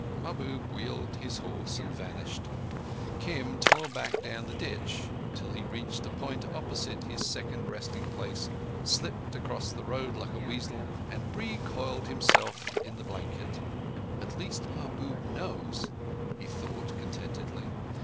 Mahbub wheeled his horse and vanished. Kim tore back down the ditch till he reached a point opposite his second resting place, slipped across the road like a weasel, and re coiled himself in the blanket. "At least Mahbub knows," he thought contentedly.